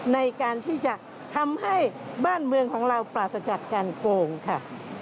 ในการที่จะทำให้บ้านเมืองของเราปราศจากการโกงค่ะ